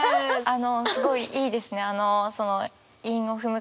あのすごいいいですね。